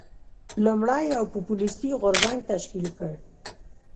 لومړی یو پوپلیستي غورځنګ تشکیل کړ.